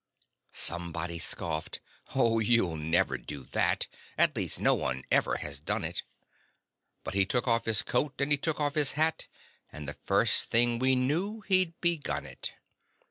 Somebody scoffed: "Oh, you'll never do that; At least no one ever has done it"; But he took off his coat and he took off his hat, And the first thing we knew he'd begun it.